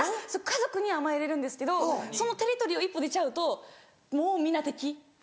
家族には甘えれるんですけどそのテリトリーを一歩出ちゃうともうみんな敵。